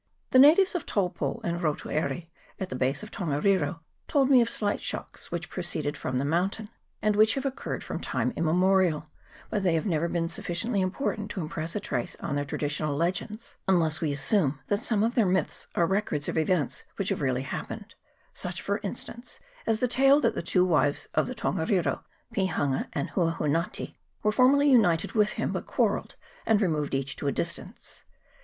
The natives of Taupo and Rotu Aire, at the base of Tongariro, told me of slight shocks, which pro ceed from the mountain, and which have occurred from time immemorial, but they have never been sufficiently important to impress a trace on their traditionary legends, unless we assume that some of their myths are records of events which have really happened : such, for instance, as the tale that the two wives of the Tongariro, Pihanga and Hauhun 358 LANDSLIPS. [PART n. gatahi, were formerly united with him, but quarrelled, and removed each to a distance.